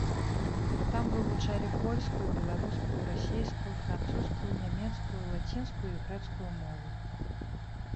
Там вывучалі польскую, беларускую, расейскую, французскую, нямецкую, лацінскую і грэцкую мовы.